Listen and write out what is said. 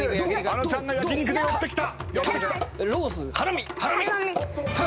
あのちゃんが焼肉で押してきた。